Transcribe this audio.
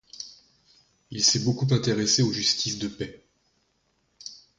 Il s'est beaucoup intéressé aux justices de paix.